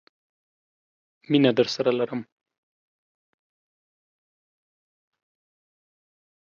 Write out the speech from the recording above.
مینه درسره لرم!